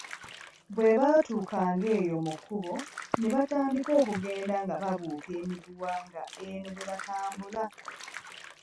Bwe batuukanga eyo mu kkubo ne batandika okugenda nga babuuka emiguwa ng'eno bwe batambula.